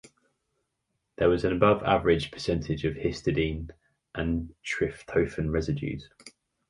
There was an above average percentage of histidine and tryptophan residues.